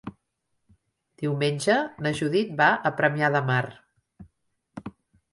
Diumenge na Judit va a Premià de Mar.